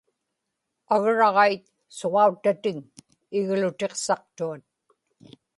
agraġait suġauttatiŋ iglutiqsaqtuat